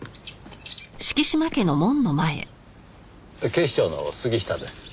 警視庁の杉下です。